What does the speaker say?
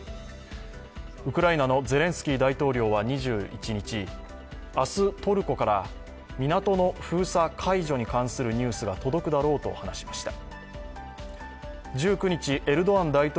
ウクライナのゼレンスキー大統領は２１日、明日、トルコから港の封鎖解除に関するニュースが届くだろうと話しました。